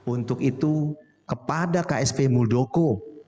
untuk itu kepada ksp muldoko